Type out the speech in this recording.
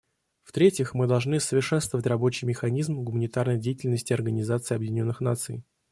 В-третьих, мы должны совершенствовать рабочий механизм гуманитарной деятельности Организации Объединенных Наций.